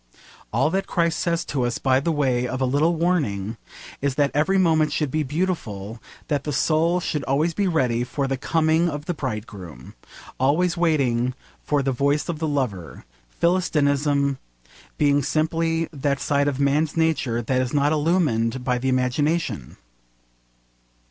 All that Christ says to us by the way of a little warning is that every moment should be beautiful, that the soul should always be ready for the coming of the bridegroom, always waiting for the voice of the lover, Philistinism being simply that side of man's nature that is not illumined by the imagination.